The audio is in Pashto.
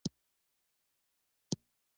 بې ځنګله ژوند ګران دی.